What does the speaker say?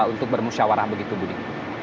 untuk bermusyawarah begitu budi